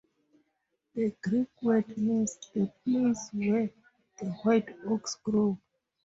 The Creek word means "the place where the white oaks grow".